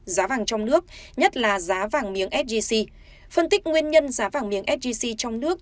giá vàng trong nước nhất là giá vàng miếng sgc phân tích nguyên nhân giá vàng miếng sgc trong nước